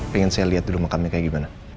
pengen saya lihat dulu makamnya kayak gimana